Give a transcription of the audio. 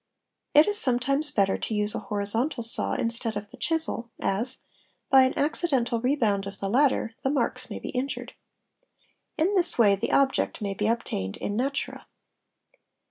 It is sometimes better to use a horizontal saw instead of the chisel as, by an accidental rebound of the latter, the marks may be injured. In this way the object may be obtained in natura.